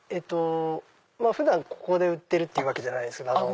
普段ここで売ってるってわけじゃないです。